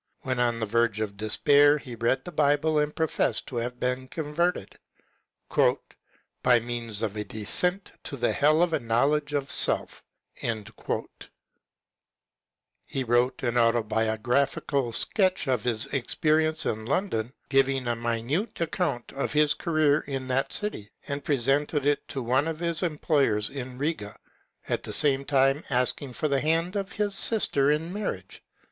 When on the verge of despair, he read the Bible and professed to have been converted *' by means of a descent to the hell of a knowledge of self He wrote an autobiographic sketch of his experience in London, giving a minute account of his career in that city, and presented it to one of his employers in Riga, at the same time asking for the hand of his sister in marriage.